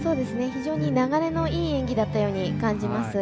非常に流れのいい演技だったと感じます。